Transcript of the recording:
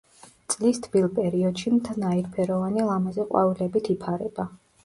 წლის თბილ პერიოდში მთა ნაირფეროვანი ლამაზი ყვავილებით იფარება.